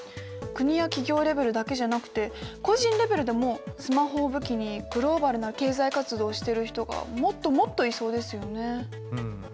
国や企業レベルだけじゃなくて個人レベルでもスマホを武器にグローバルな経済活動をしてる人がもっともっといそうですよね。